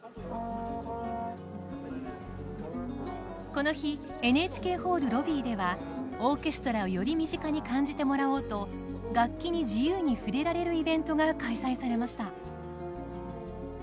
この日ＮＨＫホールロビーではオーケストラをより身近に感じてもらおうと楽器に自由に触れられるイベントが開催されました。